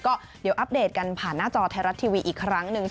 ก็เดี๋ยวอัปเดตกันผ่านหน้าจอไทยรัฐทีวีอีกครั้งหนึ่ง